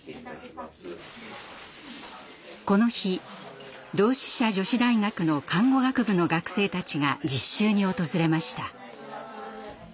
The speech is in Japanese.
この日同志社女子大学の看護学部の学生たちが実習に訪れました。